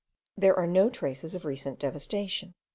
There are no traces of recent devastation.